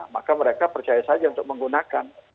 maka mereka percaya saja untuk menggunakan